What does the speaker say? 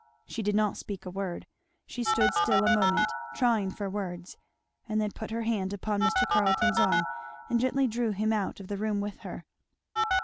She did not speak a word; she stood still a moment trying for words, and then put her hand upon Mr. Carleton's arm and gently drew him out of the room with her.